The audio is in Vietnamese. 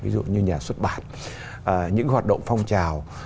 là xuất bản những hoạt động phong trào